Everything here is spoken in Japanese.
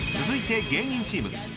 ［続いて芸人チーム。